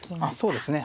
そうですね。